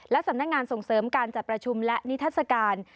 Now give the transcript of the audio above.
และสำนักงานส่งเสริมการจัดประชุมและนิทัศกาล